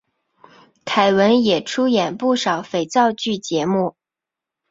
凯文也出演不少肥皂剧节目。